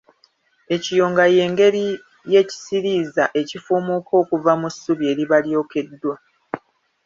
Ekiyonga ye ngeri y’ekisiriiza ekifuumuuka okuva ku ssubi eriba lyokeddwa.